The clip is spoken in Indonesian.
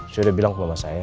sudah bilang ke mama saya